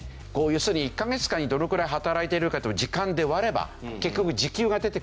要するに１カ月間にどのくらい働いているかという時間で割れば結局時給が出てくるわけでしょ。